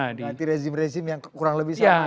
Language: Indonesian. hati hati rezim rezim yang kurang lebih sama